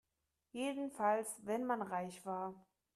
Jedenfalls wenn man reich war.